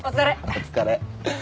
お疲れ。